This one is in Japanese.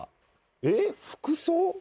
えっ服装？